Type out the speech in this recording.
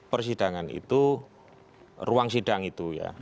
persidangan itu ruang sidang itu ya